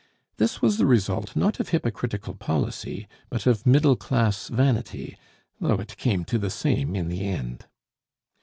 This was the result not of hypocritical policy, but of middle class vanity, though it came to the same in the end.